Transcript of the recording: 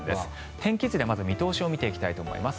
天気図でまず見通しを見ていきたいと思います。